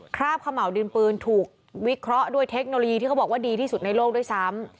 ราบเขม่าวดินปืนถูกวิเคราะห์ด้วยเทคโนโลยีที่เขาบอกว่าดีที่สุดในโลกด้วยซ้ำ